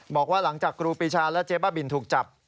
บอกว่าหลังจากครูปีชาและเจ๊บ้าบินถูกจับ